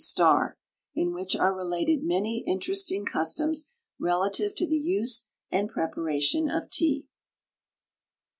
Starr, in which are related many interesting customs relative to the use and preparation of tea.